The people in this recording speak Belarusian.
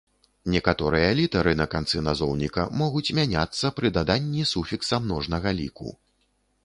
Некаторыя літары на канцы назоўніка могуць мяняцца пры даданні суфікса множнага ліку.